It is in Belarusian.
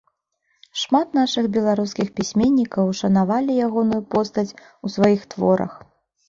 Шмат нашых беларускіх пісьменнікаў ушанавалі ягоную постаць у сваіх творах.